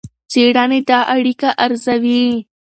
څېړنې دا اړیکه ارزوي.